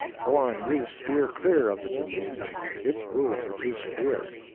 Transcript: Foreign youth steer clear of the gymnasium; its rules are too severe.